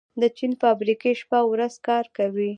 د چین فابریکې شپه او ورځ کار کوي.